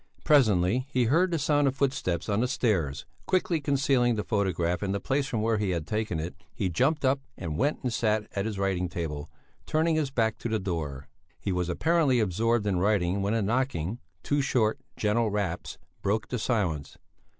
Presently he heard the sound of footsteps on the stairs; quickly concealing the photograph in the place from where he had taken it, he jumped up and went and sat at his writing table, turning his back to the door. He was apparently absorbed in writing when a knocking two short, gentle raps broke the silence.